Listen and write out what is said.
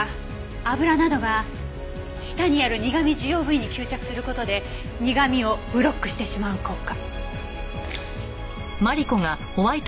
油などが舌にある苦味受容部位に吸着する事で苦味をブロックしてしまう効果。